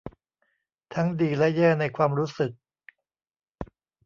ทั้งดีและแย่ในความรู้สึก